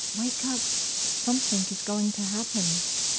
Wake up! Something is going to happen!"